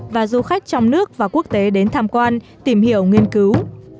và du khách trong nước và quốc tế đến tham quan tìm hiểu nghiên cứu